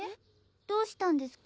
どうしたんですか？